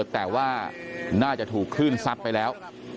แต่ว่าน่าจะถูกคลื่นซัดไปแล้ว